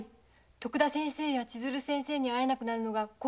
徳田先生や千鶴先生に会えなくなるのが心残りだと。